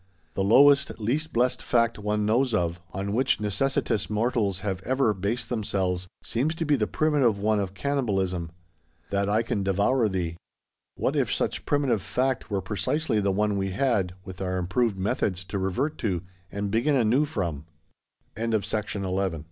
The lowest, least blessed fact one knows of, on which necessitous mortals have ever based themselves, seems to be the primitive one of Cannibalism: That I can devour Thee. What if such Primitive Fact were precisely the one we had (with our improved methods) to revert to, and begin anew from! Chapter 1.2.VIII.